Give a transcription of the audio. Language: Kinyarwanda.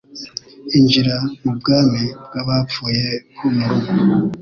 injira mubwami bwabapfuye nko murugo